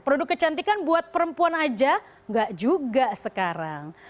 produk kecantikan buat perempuan aja nggak juga sekarang